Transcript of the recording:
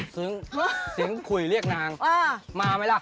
เสียงคุยเรียกนางมาไหมล่ะ